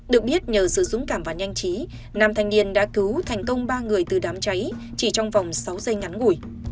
được biết nhờ sự dũng cảm và nhanh chí nam thanh niên đã cứu thành công ba người từ đám cháy chỉ trong vòng sáu giây ngắn ngủi